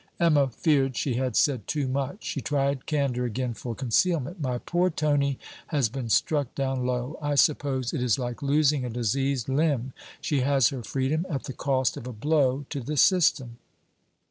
Emma feared she had said too much. She tried candour again for concealment. 'My poor Tony has been struck down low. I suppose it is like losing a diseased limb: she has her freedom, at the cost of a blow to the system.'